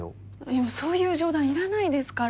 今そういう冗談いらないですから。